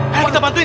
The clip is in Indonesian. mari kita bantuin